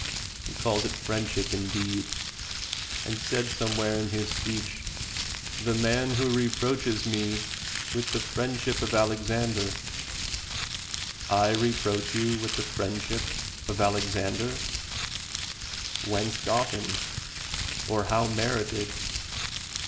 He calls it friendship indeed ; and said somewhere in his speech — "the man who reproaches me with the friendship of Alexan der." I reproach you with friendship of Alex ander! Whence gotten, or how merited?